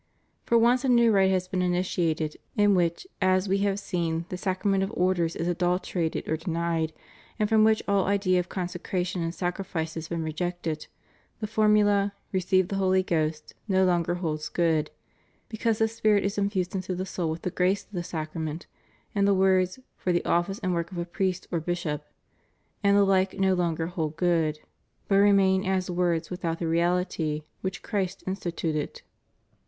For once a new rite has been initiated in which, as we have seen, the Sacrament of Orders is adulterated or denied, and from which all idea of consecration and sacrifice has been rejected, the formula ^^ Receive the Holy Ghost" no longer holds good; because the Spirit is infused into the soul with the grace of the sacrament, and the words "for the office and work of a priest or bishop" and the Uke no longer hold good, but remain as words without the reality which Christ instituted.